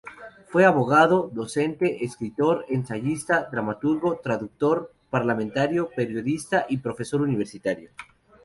Fue abogado, docente, escritor, ensayista, dramaturgo, traductor, parlamentario, periodista y profesor universitario.